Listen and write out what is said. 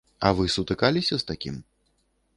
А вы сутыкаліся з такім?